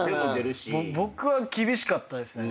僕は厳しかったですね。